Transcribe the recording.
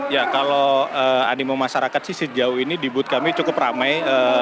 ya kalau animo masyarakat sih sejauh ini di booth kami cukup ramai